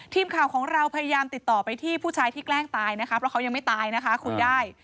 ทีมข่าวของเราพยายามติดต่อไปที่ผู้ชายที่แกล้งตายนะคะเพราะเขายังไม่ตายนะคะคุยได้